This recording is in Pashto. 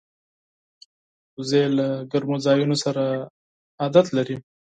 وزې له ګرمو ځایونو سره عادت لري